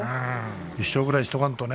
１勝ぐらいしておかないとね。